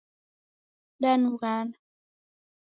Danughana